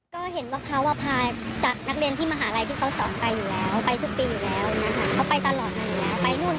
ก็เห็นว่าเขาพาจากนักเรียนที่มหาลัยที่เขาสอนไปอยู่แล้ว